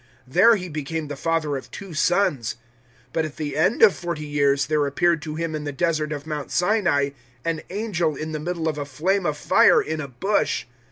There he became the father of two sons. 007:030 "But at the end of forty years there appeared to him in the Desert of Mount Sinai an angel in the middle of a flame of fire in a bush.